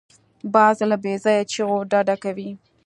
باز له بېځایه چیغو ډډه کوي